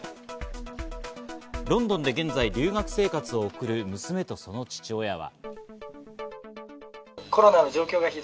ロンドンで現在、留学生活を送る娘とその父親は。